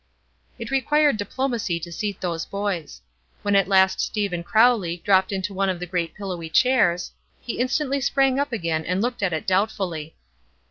It required diplomacy to seat those boys. When at last Stephen Crowley dropped into one of the great pillowy chairs, he instantly sprang up again, and looked at it doubtfully.